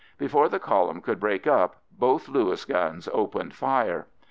Before the column could break up both Lewis guns opened fire.